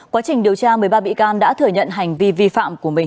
quá trình điều tra một mươi ba bị can đã thừa nhận hành vi vi phạm của mình